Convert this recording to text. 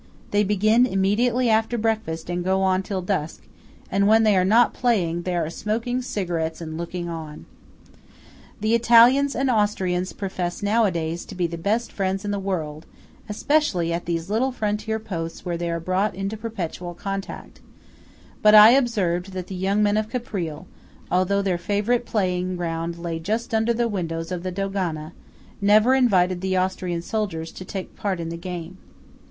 They begin immediately after breakfast and go on till dusk; and when they are not playing, they are smoking cigarettes and looking on. The Italians and Austrians profess now a days to be the best friends in the world, especially at these little frontier posts where they are brought into perpetual contact; but I observed that the young men of Caprile, although their favourite playing ground lay just under the windows of the Dogana, never invited the Austrian soldiers to take part in the game.